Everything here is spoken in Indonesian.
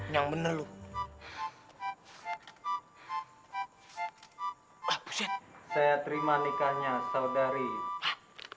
sampai jumpa di video selanjutnya